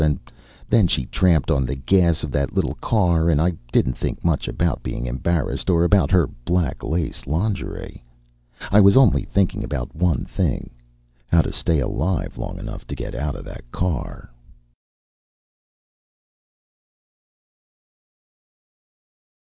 And then she tramped on the gas of that little car and I didn't think much about being embarrassed or about her black lace lingerie. I was only thinking about one thing how to stay alive long enough to get out of that car.